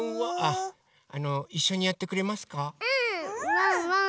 ワンワン